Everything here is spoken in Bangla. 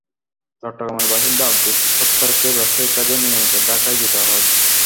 চট্টগ্রামের বাসিন্দা আবদুস সাত্তারকে ব্যবসায়িক কাজে নিয়মিত ঢাকায় যেতে হয়।